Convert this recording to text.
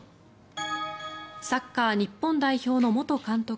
サッカー日本代表の元監督